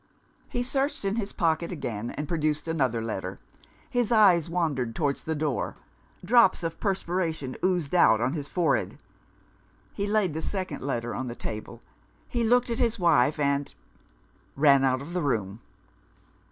He searched in his pocket again, and produced another letter. His eyes wandered towards the door; drops of perspiration oozed out on his forehead. He laid the second letter on the table; he looked at his wife, and ran out of the room.